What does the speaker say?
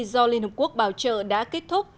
do liên hợp quốc bảo trợ đã kết thúc